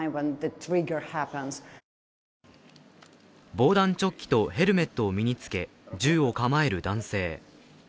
防弾チョッキとヘルメットを身に着け、銃を構える男性。